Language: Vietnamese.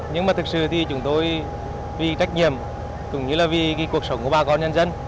nhưng mà thực sự thì chúng tôi vì trách nhiệm cũng như là vì cuộc sống của bà con nhân dân